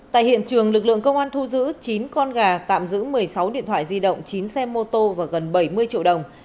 tại hiện trường lực lượng công an thu giữ chín con gà tạm giữ một mươi sáu điện thoại di động chín xe mô tô và gần bảy mươi triệu đồng